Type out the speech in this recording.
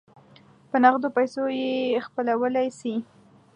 په نغدو پیسو یې خپلولای سی.